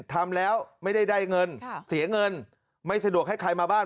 ทำแล้วไม่ได้ได้เงินเสียเงินไม่สะดวกให้ใครมาบ้าน